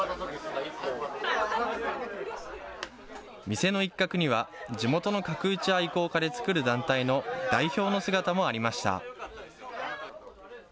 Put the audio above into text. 店の一角には、地元の角打ち愛好家で作る団体の代表の姿もありました。